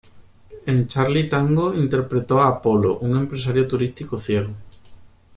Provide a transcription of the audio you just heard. En "Charly Tango" interpretó a Polo, un empresario turístico ciego.